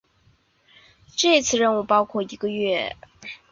这次任务包括一个月球轨道探测器和硬着陆探测器。